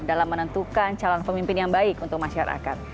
dalam menentukan calon calon yang lebih baik